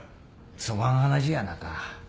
そがん話やなか。